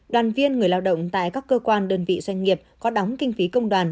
đoàn viên người lao động tại các cơ quan đơn vị doanh nghiệp có đóng kinh phí công đoàn